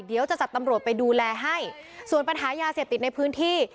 เดี๋ยวจะจัดตำรวจไปดูแลให้ส่วนปัญหายาเสพติดในพื้นที่